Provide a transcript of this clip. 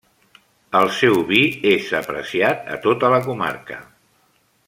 El seu vi és apreciat a tota la comarca.